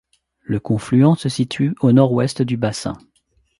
Le confluent se situe au nord-ouest du bassin.